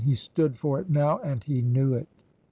He stood for it now, and he knew it.